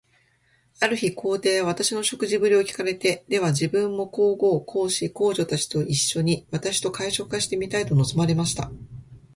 ある日、皇帝は私の食事振りを聞かれて、では自分も皇后、皇子、皇女たちと一しょに、私と会食がしてみたいと望まれました。